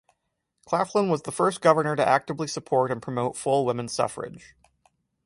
Claflin was the first governor to actively support and promote full women's suffrage.